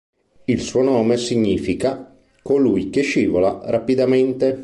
Il suo nome significa "colui che scivola rapidamente".